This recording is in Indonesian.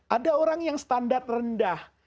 ada orang yang standar rendah